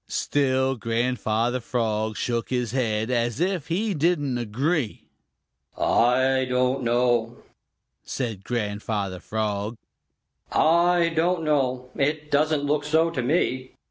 Still Grandfather Frog shook his head, as if he didn't agree. "I don't know," said Grandfather Frog, "I don't know. It doesn't look so to me."